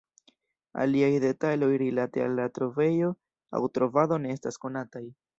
Aliaj detaloj rilate al la trovejo aŭ trovado ne estas konataj.